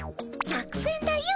作戦だよ。